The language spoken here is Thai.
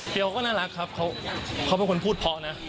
เขาก็น่ารักครับเขาเป็นคนพูดเพราะนะ